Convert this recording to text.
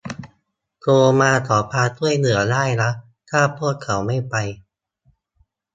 โทรมาขอความช่วยเหลือได้นะถ้าพวกเขาไม่ไป